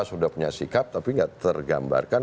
sudah punya sikap tapi tidak tergambarkan